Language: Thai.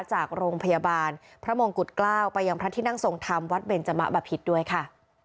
จากโรงพยาบาลพระมงกุฎเกล้าไปยังพระที่นั่งทรงธรรมวัดเบนจมะบะพิษด้วยค่ะ